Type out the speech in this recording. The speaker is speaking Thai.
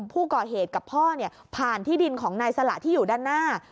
ผู้ก่อเหตุกับพ่อผ่านที่ดินของนายสละที่อยู่ด้านหน้า